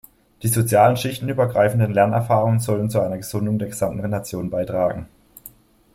Die soziale Schichten übergreifenden Lernerfahrungen sollten zu einer Gesundung der gesamten Nation beitragen.